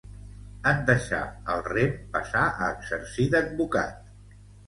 En deixar el rem passà a exercir d'advocat.